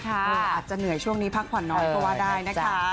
อาจจะเหนื่อยช่วงนี้พักผ่อนน้อยก็ว่าได้นะคะ